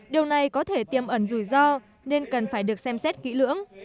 điều này có thể tiêm ẩn rủi ro nên cần phải được xem xét kỹ lưỡng